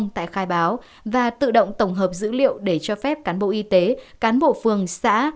tại khai báo và tự động tổng hợp dữ liệu để cho phép cán bộ y tế cán bộ phường xã